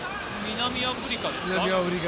南アフリカですか？